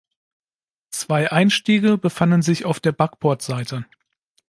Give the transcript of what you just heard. Zwei Einstiege befanden sich auf der Backbordseite.